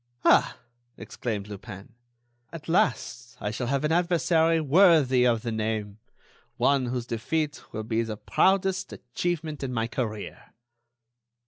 "Ah!" exclaimed Lupin, "at last I shall have an adversary worthy of the name—one whose defeat will be the proudest achievement in my career."